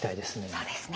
そうですね。